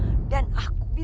sudah tidak ada lagi